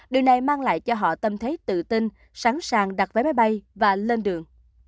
điều này mang lại cho họ tâm thế tự tin sẵn sàng đặt vé máy bay và lên đường